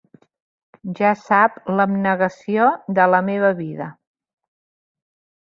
Ja sap l'abnegació de la meva vida